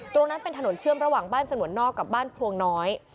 ตรงนั้นเป็นถนนเชื่อมระหว่างบ้านสนวนนอกกับบ้านพลวงน้อย